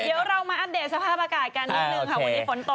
เดี๋ยวเรามาอัปเดตสภาพอากาศกันนิดนึงค่ะวันนี้ฝนตก